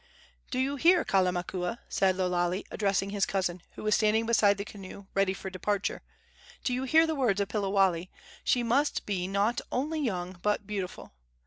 "Do you hear, Kalamakua?" said Lo Lale, addressing his cousin, who was standing beside the canoe, ready for departure; "do you hear the words of Piliwale? She must be not only young but beautiful.